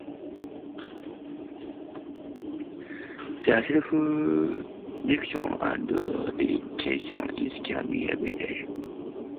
Their selflessness and dedication inspire me every day.